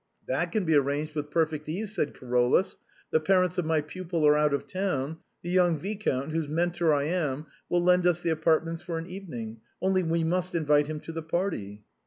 " That can be arranged with perfect ease," said Carolus; " the parents of my pupil are out of town ; the young vis count, whose mentor I am, will lend us the apartments for an evening, only we must invite him to the party."